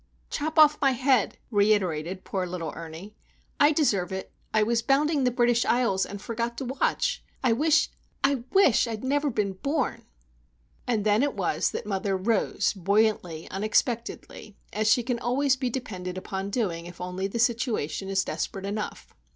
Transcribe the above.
"Chop off my head," reiterated poor little Ernie. "I deserve it. I was bounding the British Isles,—and forgot to watch. I wish, I wish that I'd never been born!" And then it was that mother "rose," buoyantly, unexpectedly, as she can always be depended upon doing, if only the situation is desperate enough.